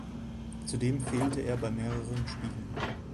Zudem fehlte er bei mehreren Spielen.